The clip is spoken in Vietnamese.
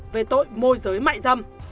về tội môi giới mại dâm